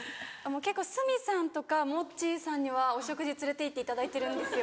結構鷲見さんとかモッチーさんにはお食事連れていっていただいてるんですよ。